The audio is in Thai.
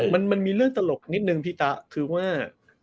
มันมีเรื่องตลกนิดนึงพี่ตะคือว่า